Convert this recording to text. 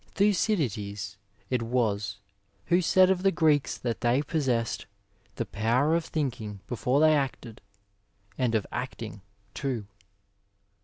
Thucydides it was who said of the Greeks that they possessed '' the power of thinking before they acted, and of acting, too."